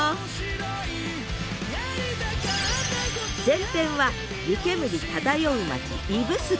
前編は湯煙漂う町指宿。